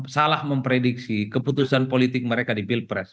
salah memprediksi keputusan politik mereka di pilpres